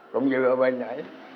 cũng như ở bên nãy